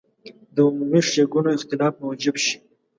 د عمومي ښېګڼو اختلاف موجب شي.